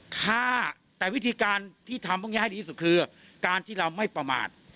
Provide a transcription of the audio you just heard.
ฆ่าแต่วิธีการที่ทำพวกนี้ให้ดีที่สุดคือการที่เราไม่ประมาท